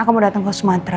aku mau datang ke sumatera